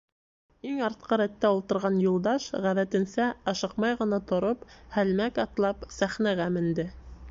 Иң артҡы рәттә ултырған Юлдаш, ғәҙәтенсә, ашыҡмай ғына тороп, һәлмәк атлап сәхнәгә менде.